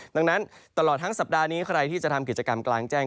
ดังนั้นตลอดทั้งสัปดาห์นี้ใครที่จะทำกิจกรรมกลางแจ้ง